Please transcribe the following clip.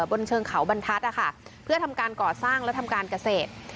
บนเชิงเขาบรรทัศน์นะคะเพื่อทำการก่อสร้างและทำการเกษตร